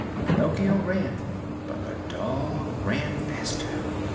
Pinocchio ran, but the dog ran faster.